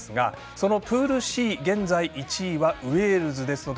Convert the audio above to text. そのプールＣ現在１位はウェールズですので